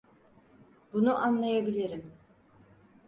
Bunu anlayabilirim.